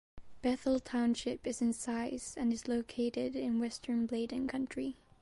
Bethel Township is in size and is located in western Bladen County.